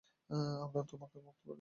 আমরা তোমাকে মুক্ত করে দেবো!